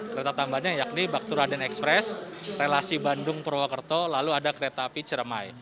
kereta tambahannya yakni baktur aden express relasi bandung perwakerto lalu ada kereta api ciremai